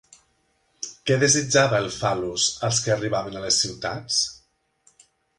Què desitjava el fal·lus als que arribaven a les ciutats?